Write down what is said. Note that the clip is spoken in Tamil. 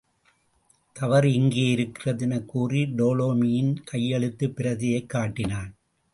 தவறு இங்கே இருக்கிறது! என்று கூறி டோலமியின் கையெழுத்துப் பிரதியைக் காட்டினான்.